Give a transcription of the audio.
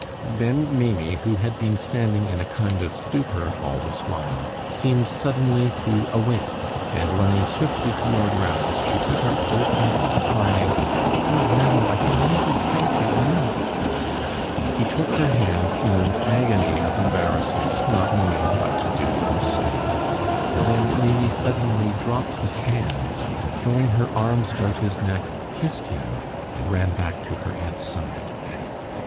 Then Maimie, who had been standing in a kind of stupor all this while, seemed suddenly to awake, and running swiftly toward Ranald, she put out both hands, crying: "Oh, Ranald, I can never thank you enough!" He took her hands in an agony of embarrassment, not knowing what to do or say. Then Maimie suddenly dropped his hands, and throwing her arms about his neck, kissed him, and ran back to her aunt's side.